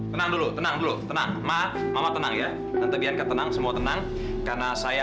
tenang dulu tenang dulu tenang tenang tenang ya nanti biar ketenang semua tenang karena saya